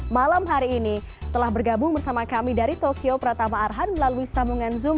malam hari ini telah bergabung bersama kami dari tokyo pratama arhan melalui sambungan zoom